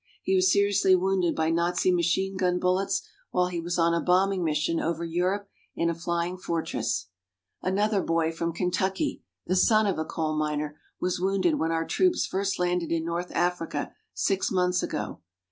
He was seriously wounded by Nazi machine gun bullets while he was on a bombing mission over Europe in a Flying Fortress. Another boy, from Kentucky, the son of a coal miner, was wounded when our troops first landed in North Africa six months ago.